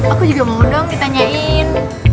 aku juga mau dong ditanyain